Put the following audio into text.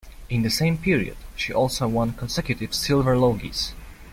In the same period, she also won consecutive Silver Logies.